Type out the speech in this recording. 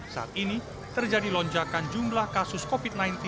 saat ini terjadi lonjakan jumlah kasus covid sembilan belas